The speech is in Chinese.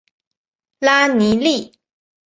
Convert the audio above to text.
拉尼利。